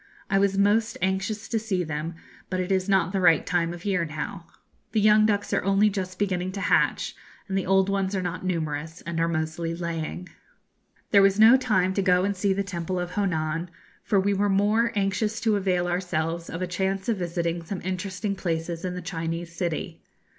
I was most anxious to see them, but it is not the right time of year now. The young ducks are only just beginning to hatch, and the old ones are not numerous, and are mostly laying. There was no time to go and see the temple of Honan, for we were more anxious to avail ourselves of a chance of visiting some interesting places in the Chinese city.